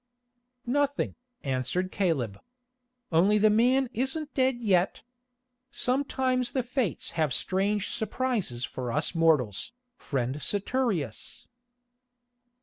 "Nothing," answered Caleb. "Only the man isn't dead yet. Sometimes the Fates have strange surprises for us mortals, friend Saturius."